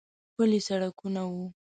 پلي سړکونه و.